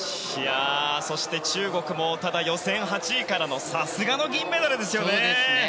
そして中国も予選８位からさすがの銀メダルですよね。